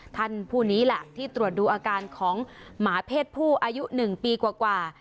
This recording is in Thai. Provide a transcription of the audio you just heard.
ท่านผู้นี้แหละที่ตรวจดูอาการของหมาเพศผู้อายุ๑ปีกว่า